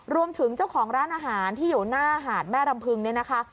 รวมถึงเจ้าของร้านอาหารที่อยู่หน้าหาดแม่รำพึงเนี่ยนะคะ